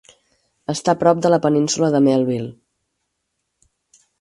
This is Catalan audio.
Està prop de la Península de Melville.